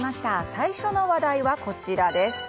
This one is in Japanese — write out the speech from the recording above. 最初の話題は、こちらです。